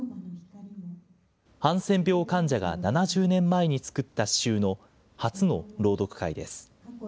ハンセン病患者が７０年前に作った詩集の初の朗読会です。